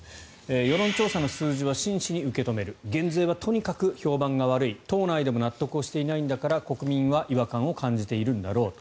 世論調査の数字は真摯に受け止める減税はとにかく評判が悪い党内でも納得していないんだから国民は違和感を感じているんだろう。